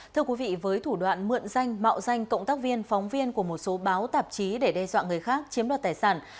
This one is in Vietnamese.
thưa quý vị với thủ đoạn mượn danh mạo danh cộng tác viên phóng viên của một số báo tạp chí để đe dọa người khác chiếm đoạt tài sản